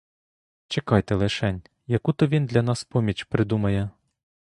Чекайте лишень, яку то він для нас поміч придумає!